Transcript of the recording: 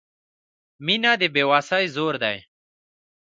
• مینه د بې وسۍ زور دی.